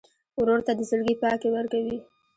ورور ته د زړګي پاکي ورکوې.